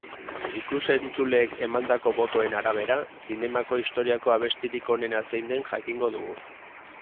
Ikus-entzuleek emandako botoen arabera, zinemako historiako abestirik onena zein den jakingo dugu.